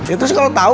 itu sih kalo tau